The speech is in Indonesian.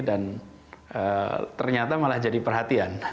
dan ternyata malah jadi perhatian